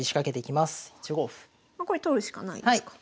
これ取るしかないですか。